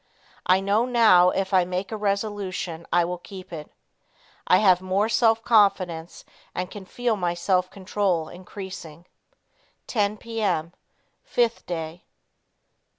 I know now if I make a resolution I will keep it. I have more self confidence and can feel my self control increasing. 10 P. M. 5th Day.